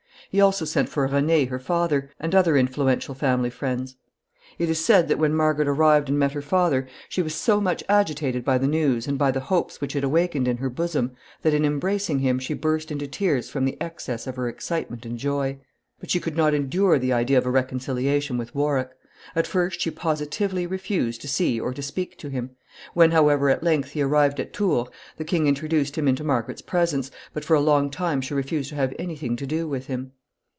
He also sent for René, her father, and other influential family friends. It is said that when Margaret arrived and met her father, she was so much agitated by the news, and by the hopes which it awakened in her bosom, that, in embracing him, she burst into tears from the excess of her excitement and joy. [Sidenote: Reconciliation with Warwick proposed.] But she could not endure the idea of a reconciliation with Warwick. At first she positively refused to see or to speak to him. When, however, at length he arrived at Tours, the king introduced him into Margaret's presence, but for a long time she refused to have any thing to do with him.